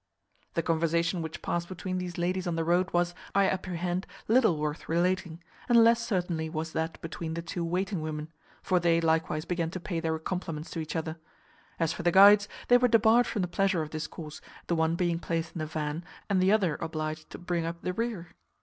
The conversation which passed between these ladies on the road was, I apprehend, little worth relating; and less certainly was that between the two waiting women; for they likewise began to pay their compliments to each other. As for the guides, they were debarred from the pleasure of discourse, the one being placed in the van, and the other obliged to bring up the rear.